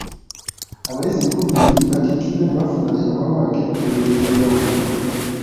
Abayizi lukumi mu bibiri batikkiddwa ne bafuna amabaluwa ag’emitendera egy'enjawulo.